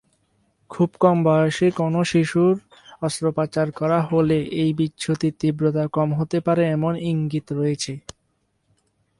খুব কম বয়সে কোনও শিশুর অস্ত্রোপচার করা হলে এই বিচ্যুতির তীব্রতা কম হতে পারে এমন ইঙ্গিত রয়েছে।